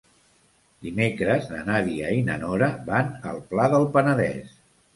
Dimecres na Nàdia i na Nora van al Pla del Penedès.